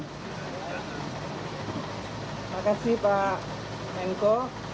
terima kasih pak menko